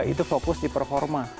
itu fokus di performa